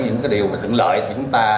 người thực hiện và người sử dụng ma túy